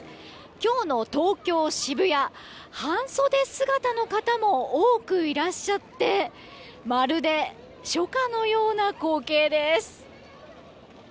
今日の東京・渋谷半袖姿の方も多くいらっしゃってまるで初夏のような光景です。